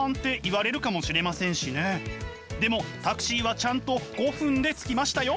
でもタクシーはちゃんと５分で着きましたよ。